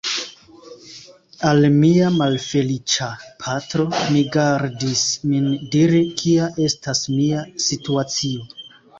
Al mia malfeliĉa patro, mi gardis min diri, kia estas mia situacio.